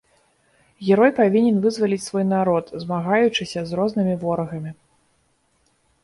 Герой павінен вызваліць свой народ, змагаючыся з рознымі ворагамі.